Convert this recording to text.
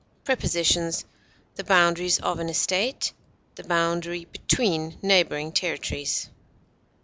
Prepositions: The boundaries of an estate; the boundary between neighboring territories.